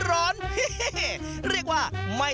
โรงโต้งคืออะไร